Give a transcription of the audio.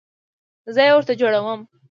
زه یې ورته جوړوم